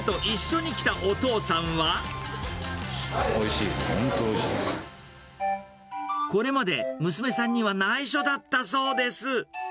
おいしいです、本当においしこれまで、娘さんにはないしょだったそうです。